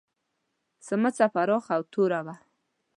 سمڅه پراخه او توره وه.